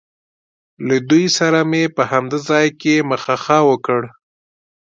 له دوی سره مې په همدې ځای کې مخه ښه وکړ.